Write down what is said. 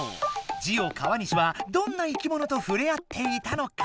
ジオ川西はどんないきものとふれあっていたのか？